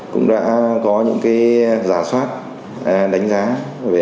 xung quanh địa điểm này